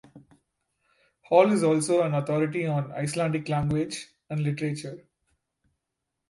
Hall is also an authority on Icelandic language and literature.